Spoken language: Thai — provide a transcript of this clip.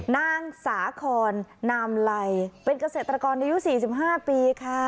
นางสาขอนนามลัยเป็นเกษตรกรในยุคสี่สิบห้าปีค่ะ